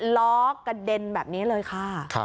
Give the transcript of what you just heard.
ล้อกระเด็นแบบนี้เลยค่ะ